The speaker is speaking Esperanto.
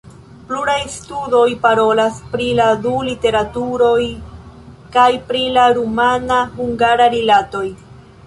Pluraj studoj parolas pri la du literaturoj kaj pri la rumana-hungara rilatoj.